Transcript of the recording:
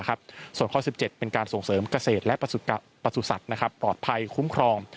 ส่วนข้อ๑๗เป็นการส่งเสริมเกษตรและประสุทธิ์สัตว์ปลอดภัยคุ้มครอง